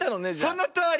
そのとおり。